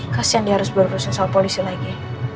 kasian dia harus berurusan soal polisi lagi